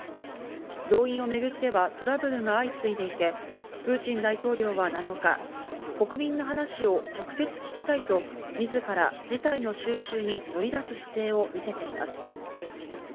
動員をめぐってはトラブルが相次いでいて、プーチン大統領は７日、国民の話を直接聞きたいと、自ら事態の収拾に乗り出す姿勢を見せています。